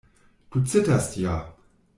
Du zitterst ja!